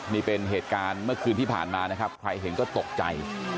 นี่เป็นเหตุการณ์เมื่อคืนที่ผ่านมานะครับใครเห็นก็ตกใจ